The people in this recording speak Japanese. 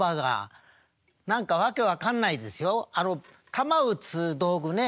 球打つ道具ね